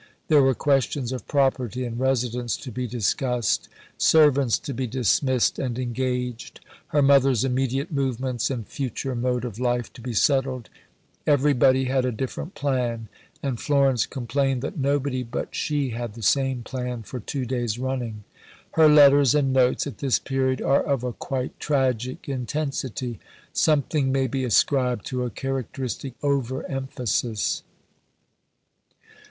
There were questions of property and residence to be discussed; servants to be dismissed and engaged; her mother's immediate movements and future mode of life to be settled. Everybody had a different plan, and Florence complained that nobody but she had the same plan for two days running. Her letters and notes at this period are of a quite tragic intensity. Something may be ascribed to a characteristic over emphasis.